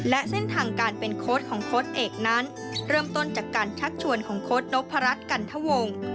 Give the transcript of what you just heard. และเส้นทางการเป็นโค้ดของโค้ดเอกนั้นเริ่มต้นจากการชักชวนของโค้ดนพรัชกันทะวง